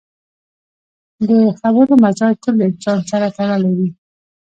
د خبرو مزاج تل د انسان سره تړلی وي